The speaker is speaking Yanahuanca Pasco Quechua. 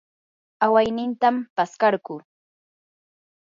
awaynitam paskarquu.